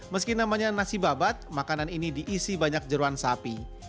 meski namanya nasi babat makanan ini diisi banyak jeruan sapi